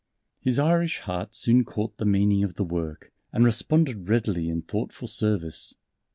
His Irish heart soon caught the meaning of the work, and responded readily in thoughtful service....